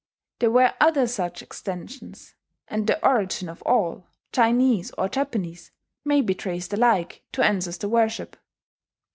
There were other such extensions; and the origin of all, Chinese or Japanese, may be traced alike to ancestor worship.